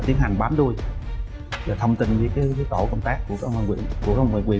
tiến hành bám đuôi và thông tin với cái tổ công tác của công an quyền của công an quyền